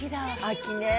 秋ね。